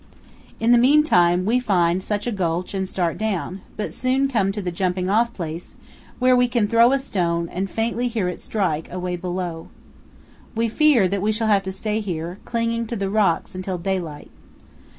In the meantime we find such a gulch and start down, but soon come to the "jumping off place," where we can throw a stone and faintly hear it strike, away below. We fear that we shall have to stay here, clinging to the rocks until daylight.